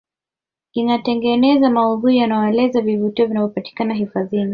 kinatengeneza maudhui yanayoelezea vivutio vinavyopatikana hifadhini